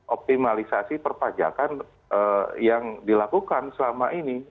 optimalisasi perpajakan yang dilakukan selama ini